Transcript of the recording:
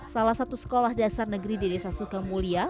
salah satu sekolah dasar negeri di desa suka mulya